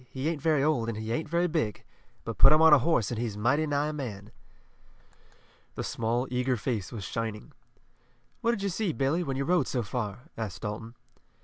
He ain't very old, and he ain't very big, but put him on a horse and he's mighty nigh a man." The small, eager face was shining. "What did you see, Billy, when you rode so far?" asked Dalton.